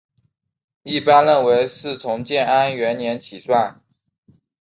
一般认为是从建安元年起算。